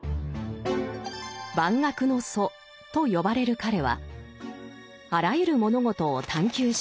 「万学の祖」と呼ばれる彼はあらゆる物事を探求しました。